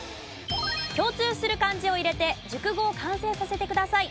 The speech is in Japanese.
共通する漢字を入れて熟語を完成させてください。